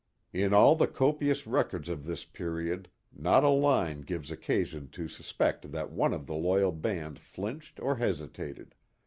In all the copious records of this period, not a line gives occasion to suspect that one of this loyal band flinched or hesitated.